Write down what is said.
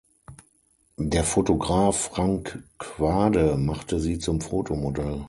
Der Fotograf Frank Quade machte sie zum Fotomodell.